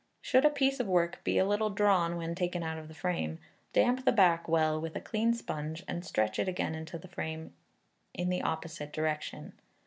Should a piece of work be a little drawn when taken out of the frame, damp the back well with a clean sponge, and stretch it again in the frame in the opposite direction.